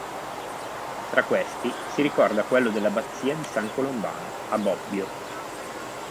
Tra questi si ricorda quello dell'abbazia di San Colombano a Bobbio.